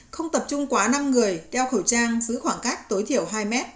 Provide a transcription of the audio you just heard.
không tập trung quá năm người đeo khẩu trang giữ khoảng cách tối thiểu hai m